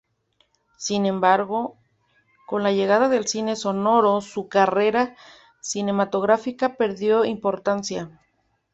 Sin embargo, con la llegada del cine sonoro, su carrera cinematográfica perdió importancia.